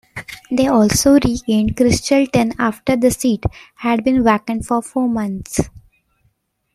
They also regained Christleton after the seat had been vaccant for four months.